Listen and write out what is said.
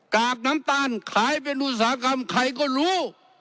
กากน้ำตาลขายเป็นอุตสาหกรรมใครก็รู้